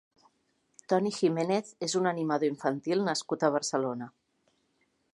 Toni Giménez és un animador infantil nascut a Barcelona.